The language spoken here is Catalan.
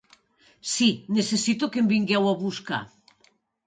Si, necessito que em vingueu a buscar.